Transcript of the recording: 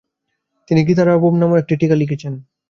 তিনি 'গীতারনাব' নামে গীতার একটি টীকা লিখেছেন।